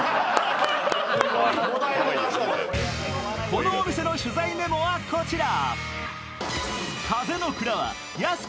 このお店の取材メモはこちら。